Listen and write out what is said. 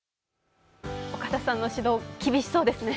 岡田さんの指導、厳しそうですね。